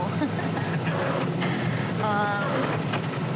masih inget aja kamu